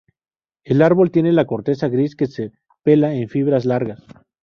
El árbol tiene la corteza gris que se pela en fibras largas.